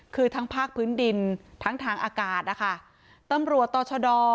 คือทั้งภาคพื้นดินทั้งทางอากาศนะคะตำรวจต่อชะดอ